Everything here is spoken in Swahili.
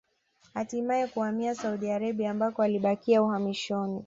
Hatimae kuhamia Saudi Arabia ambako alibakia uhamishoni